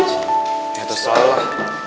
yaudah selalu lah